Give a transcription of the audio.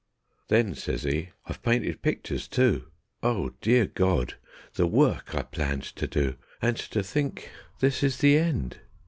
Then says 'e: "I've painted picters too. ... Oh, dear God! The work I planned to do, And to think this is the end!"